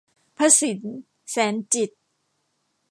พศิน แสนจิตต์